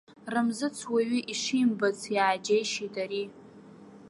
Рамзыц уаҩы ишимбац иааџьеишьеит ари.